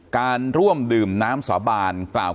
ข้าพเจ้านางสาวสุภัณฑ์หลาโภ